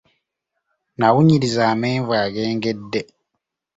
Nawunyiriza amenvu ag'engedde.